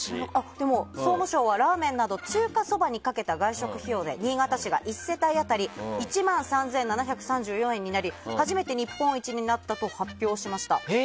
でも、総務省はラーメンなど中華そばにかけた外食費用で新潟市が１世帯当たり１万３７３４円になり初めて日本一になったと発表しました。